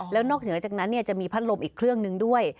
แล้วนอกเหนือจากนั้นจะมีพัดลมอีกเครื่องนึงด้วย